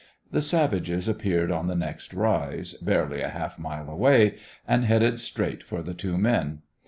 The savages appeared on the next rise, barely a half mile away, and headed straight for the two men.